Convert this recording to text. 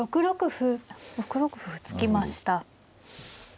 ６六歩突きました。